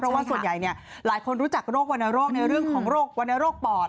เพราะว่าส่วนใหญ่หลายคนรู้จักโรควรรณโรคในเรื่องของโรควรรณโรคปอด